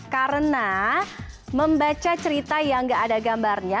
karena membaca cerita yang gak ada gambarnya